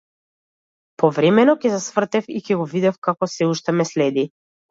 Повремено ќе се свртев и ќе го видев како сѐ уште ме следи.